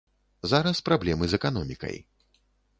Зараз праблемы з эканомікай.